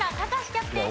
キャプテン！